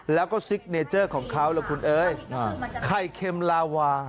แล้วก็ซิกเนเจอร์ของเขาล่ะคุณเอ้ยไข่เค็มลาวา